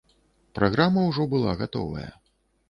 Праграма ўжо была гатовая.